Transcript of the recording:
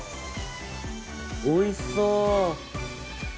おいしそう。